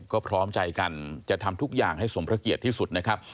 ก็พร้อมใจกันจะทำทุกอย่างให้สมพระเกียรติที่สุดนะครับ